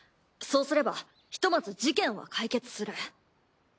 そうすればひとまず事件は解決する。